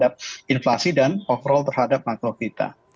dan juga terhadap inflasi dan overall terhadap makro kita